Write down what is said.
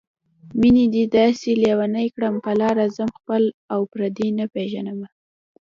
مينې دې داسې لېونی کړم په لاره ځم خپل او پردي نه پېژنمه